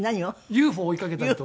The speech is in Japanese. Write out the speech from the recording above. ＵＦＯ追いかけたりとか。